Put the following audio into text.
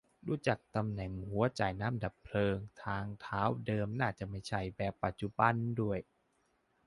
ดูจากตำแหน่งหัวจ่ายน้ำดับเพลิง ทางเท้าเดิมน่าจะไม่ใช่แบบปัจจุบันด้วย